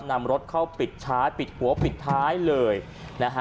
นำรถเข้าปิดช้าปิดหัวปิดท้ายเลยนะฮะ